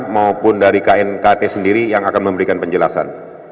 maupun dari knkt sendiri yang akan memberikan penjelasan